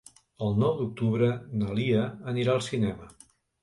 El nou d'octubre na Lia anirà al cinema.